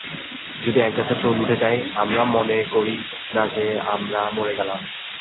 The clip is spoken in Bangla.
যদি একগাছা চুল উঠে যায়, আমরা মনে করি না যে আমরা মরে গেলাম।